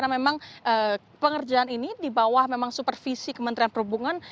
memang supervisi kementerian perhubungan